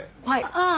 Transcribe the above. ああ。